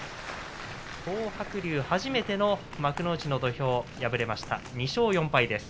東白龍、初めての幕内の土俵敗れました、２勝４敗です。